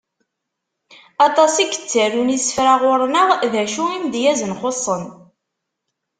Aṭas i yettarun isefra ɣur-neɣ, d acu imedyazen xuṣṣen.